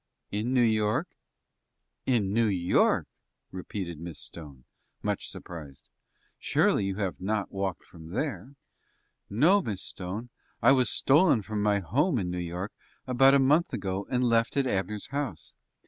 "In New York." "In New York!" repeated Miss Stone, much surprised. "Surely, you have not walked from there?" "No, Miss Stone; I was stolen from my home in New York about a month ago, and left at Abner's house.